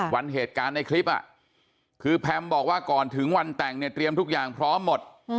เหตุการณ์ในคลิปคือแพมบอกว่าก่อนถึงวันแต่งเนี่ยเตรียมทุกอย่างพร้อมหมด